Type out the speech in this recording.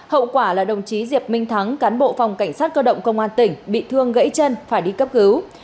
hậu quả là đồng chí diệp minh thắng cán bộ phòng cảnh sát cơ động công an tỉnh bị thương gãy chân phải đi cấp cứu